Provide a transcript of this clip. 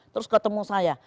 terus ketemu saya